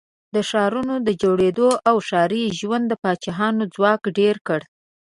د ښارونو د جوړېدو او ښاري ژوند د پاچاهانو ځواک ډېر کړ.